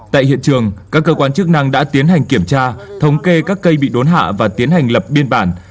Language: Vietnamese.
tại hiện trường các cơ quan chức năng đã tiến hành kiểm tra thống kê các cây bị đốn hạ và tiến hành lập biên bản